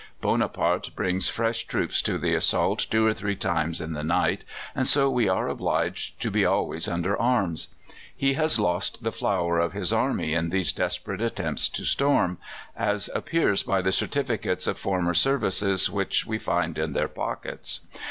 Bonaparte brings fresh troops to the assault two or three times in the night, and so we are obliged to be always under arms. He has lost the flower of his army in these desperate attempts to storm, as appears by the certificates of former services which we find in their pockets.